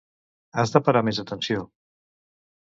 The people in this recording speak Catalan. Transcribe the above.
Has de parar més atenció.